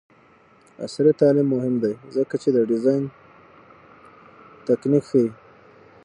عصري تعلیم مهم دی ځکه چې د ډیزاین تنکینګ ښيي.